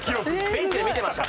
ベンチで見てました。